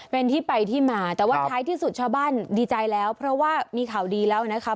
เป็นที่ไปที่มาแต่ว่าท้ายที่สุดชาวบ้านดีใจแล้วเพราะว่ามีข่าวดีแล้วนะคะ